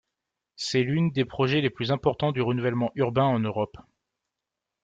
C'est l'une des projets les plus importants de Renouvellement urbain en Europe.